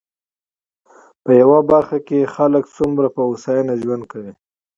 په يوه برخه کې يې خلک څومره په هوساينه کې ژوند کوي.